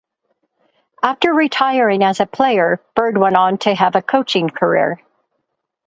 After retiring as a player, Bird went on to have a coaching career.